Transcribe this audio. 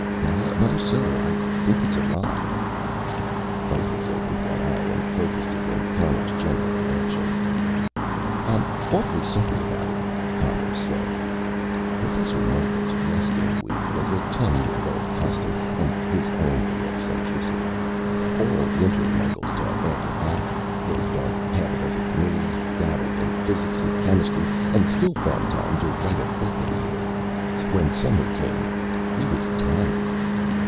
"No, sir. I think it's a rock." Micheals opened one eye and focused it in Conners' general direction. "I'm awfully sorry about it," Conners said. Professor Micheals' resting week was a ten year old custom, and his only eccentricity. All winter Micheals taught anthropology, worked on half a dozen committees, dabbled in physics and chemistry, and still found time to write a book a year. When summer came, he was tired.